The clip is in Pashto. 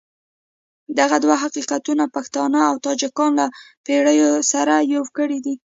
دغه دوه حقیقتونه پښتانه او تاجکان له پېړیو سره يو کړي دي.